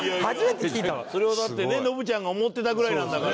それはだってねノブちゃんが思ってたぐらいなんだから。